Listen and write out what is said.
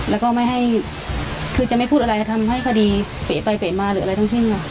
แล้วก็ไม่ให้คือจะไม่พูดอะไรจะทำให้คดีเป๋ไปเป๋มาหรืออะไรทั้งสิ้นค่ะ